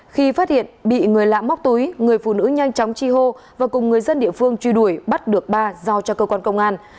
khi phát hiện bị người lạ móc túi người phụ nữ nhanh chóng chi hô và cùng người dân địa phương truy đuổi bắt được ba giao cho cơ quan công an